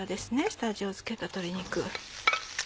下味を付けた鶏肉。